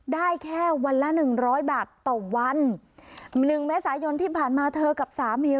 ได้แค่วันละหนึ่งร้อยบาทต่อวันหนึ่งเมษายนที่ผ่านมาเธอกับสามี